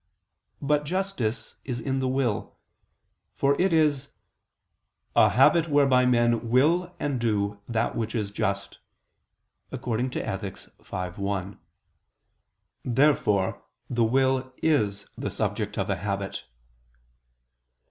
But justice is in the will; for it is "a habit whereby men will and do that which is just" (Ethic. v, 1). Therefore the will is the subject of a habit.